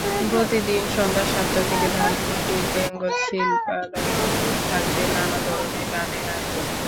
প্রতিদিন সন্ধ্যা সাতটা থেকে ধানমন্ডির বেঙ্গল শিল্পালয়ে থাকবে নানা ধরনের গানের আয়োজন।